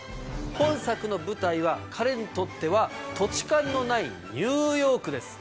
本作の舞台は彼にとっては土地勘のないニューヨークです。